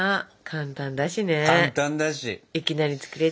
簡単だしね。